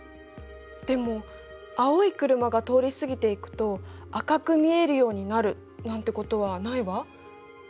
でも「青い車が通り過ぎていくと赤く見えるようになる」なんてことはないわ。